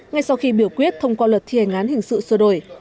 ngay sau khi biểu quyết thông qua luật thi hành án hình sự sửa đổi